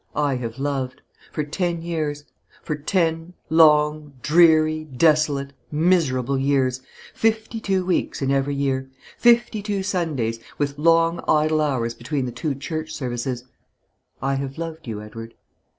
I have loved. For ten years, for ten long, dreary, desolate, miserable years, fifty two weeks in every year, fifty two Sundays, with long idle hours between the two church services I have loved you, Edward.